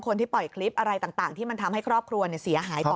ปล่อยคลิปอะไรต่างที่มันทำให้ครอบครัวเสียหายต่อ